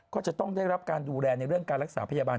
ก็จะต้องได้รับการดูแลในเรื่องการรักษาพยาบาล